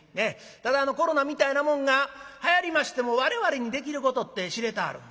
ただあのコロナみたいなもんがはやりましても我々にできることって知れてはるんですな。